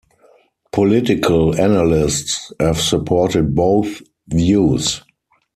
Political analysts have supported both views.